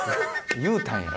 言うたんや。